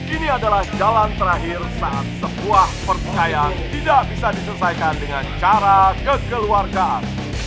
ini adalah jalan terakhir saat sebuah percayaan tidak bisa diselesaikan dengan cara kekeluargaan